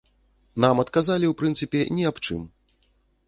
Нам адказалі, у прынцыпе, ні аб чым.